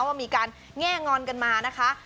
ว่ามีการแง่งอนกันมานะคะ